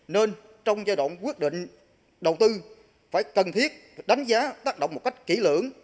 nên trong giai đoạn quyết định đầu tư phải cần thiết đánh giá tác động một cách kỹ lưỡng